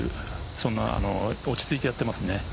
そんな落ち着いてやっていますね。